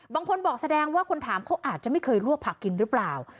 บางคนบอกแสดงว่าคนถามเขาอาจจะไม่เคยลวกผักกินหรือเปล่า